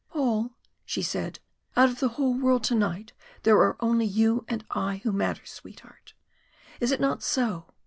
"Paul," she said, "out of the whole world tonight there are only you and I who matter, sweetheart. Is it not so?